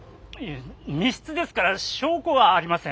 密室ですから証拠はありません。